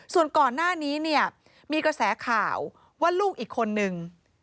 ส่วนก่อนหน้านี้เนี่ยมีกระแสข่าวว่าลูกอีกคนนึง